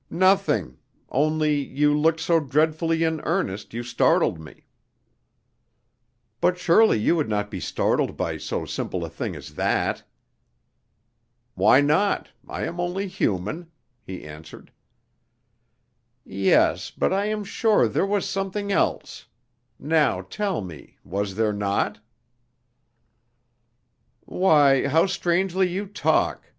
"Nothing; only you looked so dreadfully in earnest, you startled me." "But surely you would not be startled by so simple a thing as that!" "Why not? I am only human," he answered. "Yes, but I am sure there was something else. Now tell me, was there not?" "Why, how strangely you talk!"